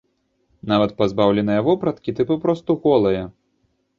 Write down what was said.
Нават пазбаўленая вопраткі, ты папросту голая.